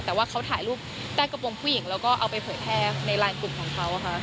แต่ว่าเขาถ่ายรูปใต้กระโปรงผู้หญิงแล้วก็เอาไปเผยแพร่ในไลน์กลุ่มของเขาค่ะ